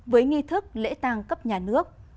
với nghi thức lễ tang cấp nhà nước